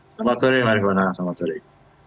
selamat sore marihona